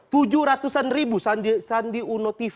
tujuh ratusan ribu sandi uno tv